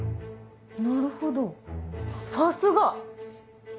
なるほどさすが！